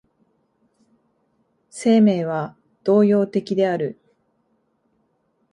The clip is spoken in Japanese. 生命は動揺的である。